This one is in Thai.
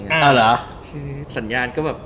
คือสัญญาณก็แบบ